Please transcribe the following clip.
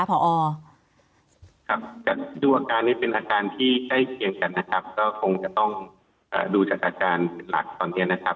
พอครับจากดูอาการนี้เป็นอาการที่ใกล้เคียงกันนะครับก็คงจะต้องดูจากอาการหลักตอนนี้นะครับ